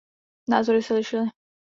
Názory se lišily.